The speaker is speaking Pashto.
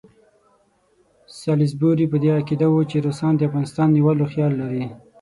سالیزبوري په دې عقیده وو چې روسان د افغانستان نیولو خیال لري.